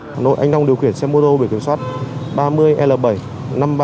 hà nội anh đông điều khiển xe mô tô bị kiểm soát ba mươi l bảy năm nghìn ba trăm ba mươi bốn vi phạm